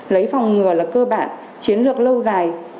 lấy phòng ngừa là cơ bản chiến lược lâu dài